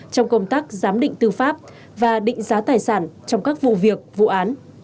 trong công tác giám định tư pháp và định giá tài sản trong các vụ việc vụ án